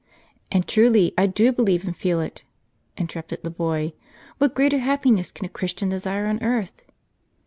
" And truly I do believe and feel it," interrupted the boy. "What greater happiness can a Christian desire on earth?